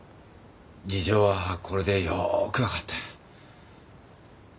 事情はこれでよーく分かった。